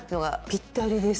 ぴったりです。